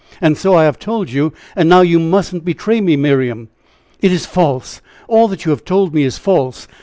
And so I have told you; and now you mustn't betray me, Miriam." "It is false! all that you have told me is false!